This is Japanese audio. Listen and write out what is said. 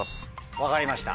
分かりました。